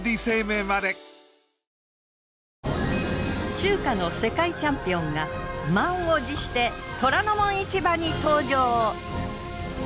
中華の世界チャンピオンが満を持して『虎ノ門市場』に登場。